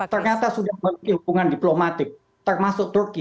ternyata sudah memiliki hubungan diplomatik termasuk turki